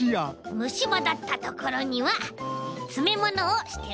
むしばだったところにはつめものをしておきましょうね。